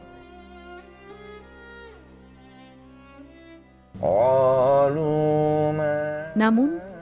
namun kampung jaton ini tidak bisa dilakukan